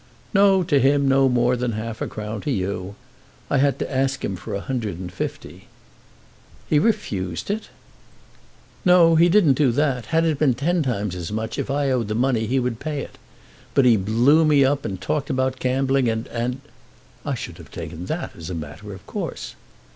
"No; to him no more than half a crown to you. I had to ask him for a hundred and fifty." "He refused it!" "No; he didn't do that. Had it been ten times as much, if I owed the money, he would pay it. But he blew me up, and talked about gambling, and and " "I should have taken that as a matter of course."